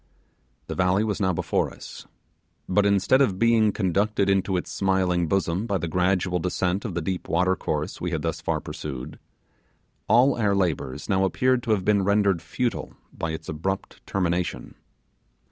The valley was now before us; but instead of being conducted into its smiling bosom by the gradual descent of the deep watercourse we had thus far pursued, all our labours now appeared to have been rendered futile by its abrupt termination.